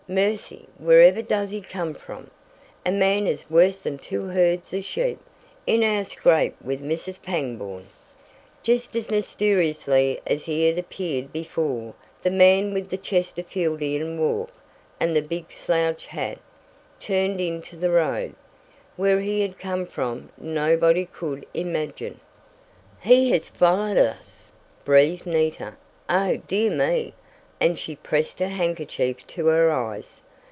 "Mercy! Wherever does he come from? A man is worse than two herds of sheep in our scrape with Mrs. Pangborn!" Just as mysteriously as he had appeared before, the man with the Chesterfieldian walk, and the big slouch hat, turned into the road. Where he had come from, nobody could imagine. "He has followed us!" breathed Nita. "Oh, dear me!" and she pressed her handkerchief to her eyes.